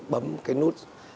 bấm cái nút